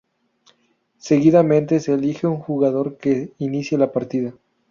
Seguidamente se elige un jugador que inicie la partida.